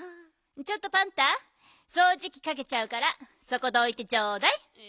ちょっとパンタそうじきかけちゃうからそこどいてちょうだい。え。